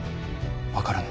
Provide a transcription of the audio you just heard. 分からぬ。